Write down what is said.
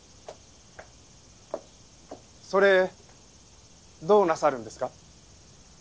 それどうなさるんですか？